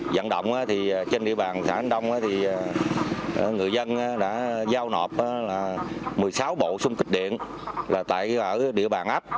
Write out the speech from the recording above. dẫn động trên địa bàn xã bình đông người dân đã giao nộp một mươi sáu bộ sung kích điện tại địa bàn ấp